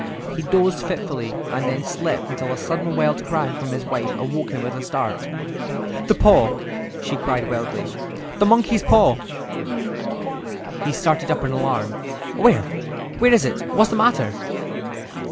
He dozed fitfully, and then slept until a sudden wild cry from his wife awoke him with a start. "The paw!" she cried wildly. "The monkey's paw!" He started up in alarm. "Where? Where is it? What's the matter?"